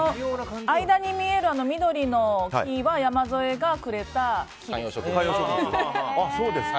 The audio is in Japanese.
間に見える緑の木は山添がくれた木です。